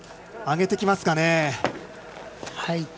上げてきますかね。